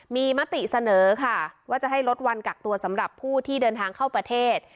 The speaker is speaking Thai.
มีมติเสนอค่ะว่าจะให้ลดวันกักตัวสำหรับผู้ที่เดินทางเข้าประเทศ